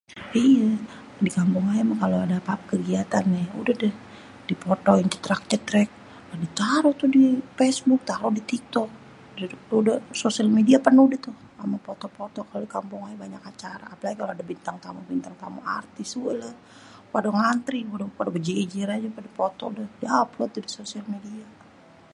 Lah iye, dikampung aye meh kalo ade ape-ape nih kegiatan ude deh di fotoin jetrak-jetrek lah di taro tuh di fesbuk, di taro di tiktok. udeh social media penuh de toh ame foto-foto kalo dikampung aye banyak acara apalagi kalo ade bintang tamu-bintang tamu artis wei leh pade ngantri, pade bejejer aje, pade foto deh di upload di social media